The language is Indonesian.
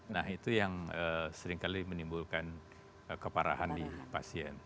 nah itu yang seringkali menimbulkan keparahan di pasien